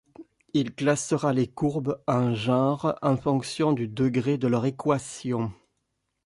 Il classera les courbes en genres en fonction du degré de leur équation.